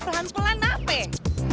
aduh kinar pelan pelan nafek